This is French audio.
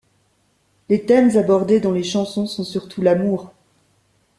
Les thèmes abordés dans les chansons sont surtout l'amour.